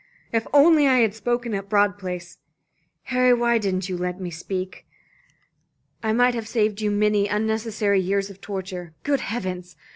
"If only I had spoken at Broad Place. Harry, why didn't you let me speak? I might have saved you many unnecessary years of torture. Good heavens!